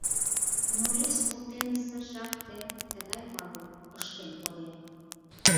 Норильск воктенысе шахте тыгай палым ыштен колтен.